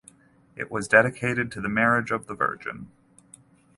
It was dedicated to the Marriage of the Virgin.